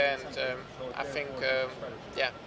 dan saya pikir ya